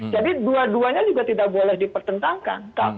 jadi dua duanya juga tidak boleh dipertentangkan